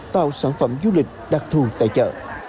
tạo sản phẩm du lịch đặc thù tại chợ